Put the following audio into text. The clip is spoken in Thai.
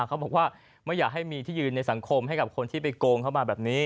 เขาบอกว่าไม่อยากให้มีที่ยืนในสังคมให้กับคนที่ไปโกงเข้ามาแบบนี้